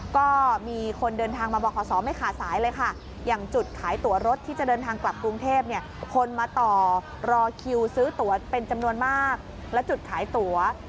ก็มีคนเดินทางมาบ่อคสไม่ขาดสายเลยค่ะ